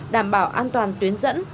đảm bảo an toàn tuyến dẫn